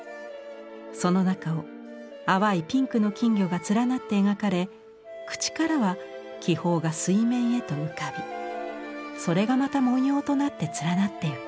その中を淡いピンクの金魚が連なって描かれ口からは気泡が水面へと浮かびそれがまた文様となって連なっていく。